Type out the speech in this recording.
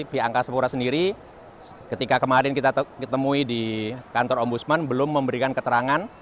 pihak angkasa pura sendiri ketika kemarin kita ketemui di kantor ombudsman belum memberikan keterangan